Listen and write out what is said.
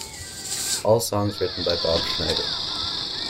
All songs written by Bob Schneider.